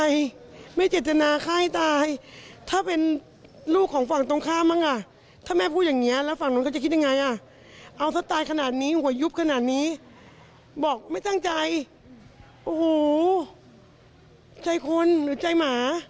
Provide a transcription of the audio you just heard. อยากรู้จังเลยว่าพ่อแม่เขาจะพูดกลัวอย่างไรเขาจะเสียงใจไหม